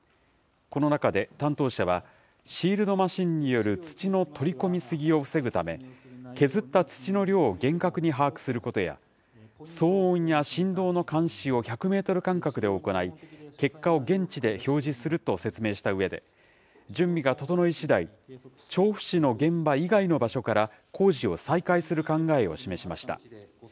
この中で担当者は、シールドマシンによる土の取り込み過ぎを防ぐため、削った土の量を厳格に把握することや、騒音や振動の監視を１００メートル間隔で行い、結果を現地で表示すると説明したうえで、準備が整いしだい、調布市の現場以外の場所から工事を再開する考えを示しました。